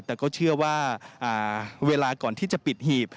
แต่ก็เชื่อว่าเวลาก่อนที่จะปิดหีบ